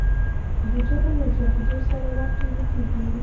د جرم له زیاتېدو سره وخت ورو کېږي.